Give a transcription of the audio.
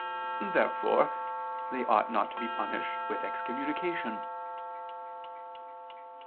Therefore they ought not to be punished with excommunication.